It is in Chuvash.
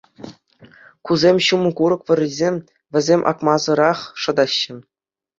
Кусем ҫум курӑк вӑррисем, вӗсем акмасӑрах шӑтаҫҫӗ.